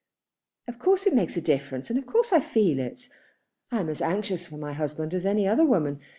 "Of course it makes a difference, and of course I feel it. I am as anxious for my husband as any other woman.